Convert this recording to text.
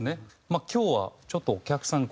まあ今日はちょっとお客さん